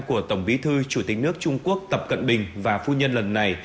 của tổng bí thư chủ tịch nước trung quốc tập cận bình và phu nhân lần này